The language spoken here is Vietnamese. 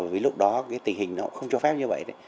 vì lúc đó tình hình không cho phép